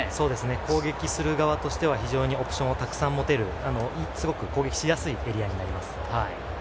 攻撃する側としては非常にオプションをたくさん持てるすごく攻撃しやすいエリアになります。